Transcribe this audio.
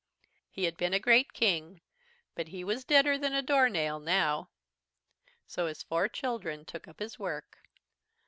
He had been a great King but he was deader than a doornail now. "So his four children took up his work.